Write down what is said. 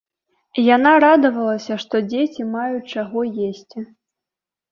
Яна радавалася, што дзеці маюць чаго есці.